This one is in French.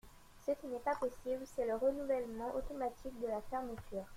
Ce qui n’est pas possible, c’est le renouvellement automatique de la fermeture.